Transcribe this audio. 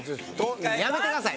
やめてください！